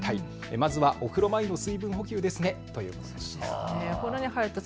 まずはお風呂前の水分補給ですねということです。